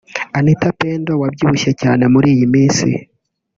Anita Pendo wabyibushye cyane muri iyi minsi